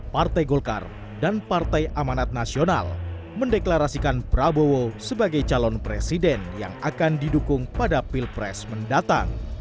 partai golkar dan partai amanat nasional mendeklarasikan prabowo sebagai calon presiden yang akan didukung pada pilpres mendatang